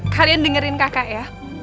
kalian dengerin kakak ya